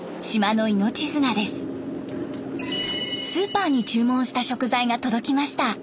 スーパーに注文した食材が届きました。